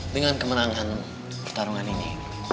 dengan kemenangan pertarungan ini